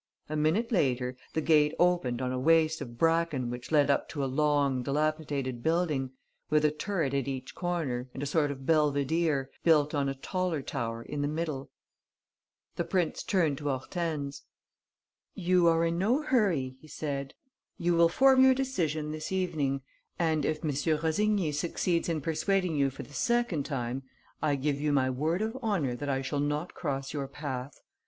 A minute later, the gate opened on a waste of bracken which led up to a long, dilapidated building, with a turret at each corner and a sort of a belvedere, built on a taller tower, in the middle. The Prince turned to Hortense: "You are in no hurry," he said. "You will form your decision this evening; and, if M. Rossigny succeeds in persuading you for the second time, I give you my word of honour that I shall not cross your path.